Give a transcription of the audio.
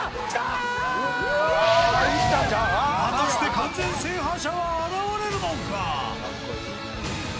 果たして完全制覇者は現れるのか？